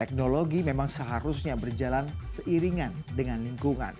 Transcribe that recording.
teknologi memang seharusnya berjalan seiringan dengan lingkungan